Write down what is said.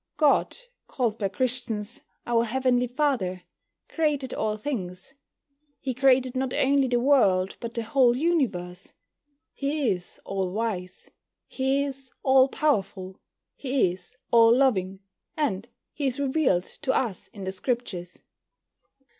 God, called by Christians "Our Heavenly Father," created all things. He created not only the world, but the whole universe. He is all wise, He is all powerful, He is all loving, and He is revealed to us in the Scriptures.